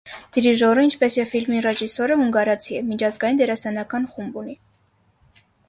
Դիրիժորը, ինչպես և ֆիլմի ռեժիսորը, հունգարացի է, միջազգային դերասանական խումբ ունի։